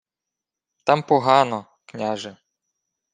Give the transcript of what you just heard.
— Там погано, княже!